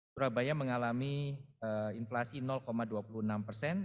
surabaya mengalami inflasi dua puluh enam persen